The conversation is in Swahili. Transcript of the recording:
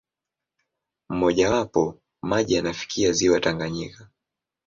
Mmojawapo, maji yanafikia ziwa Tanganyika.